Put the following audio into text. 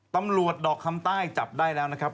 ดอกคำใต้จับได้แล้วนะครับ